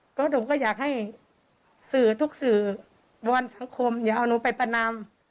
เพราะหนูก็อยากให้สื่อทุกสื่อวอนสังคมอย่าเอาหนูไปประนำ